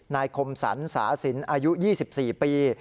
คมสรรสาสินอายุ๒๔ปี